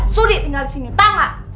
sudi tinggal disini tau gak